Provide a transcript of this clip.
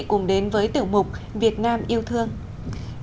cùng đến với tiểu mục việt nam yêu thương